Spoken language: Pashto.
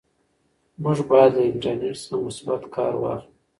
موږ باید له انټرنیټ څخه مثبت کار واخلو.